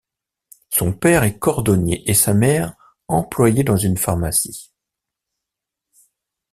Son père est cordonnier et sa mère employée dans une pharmacie.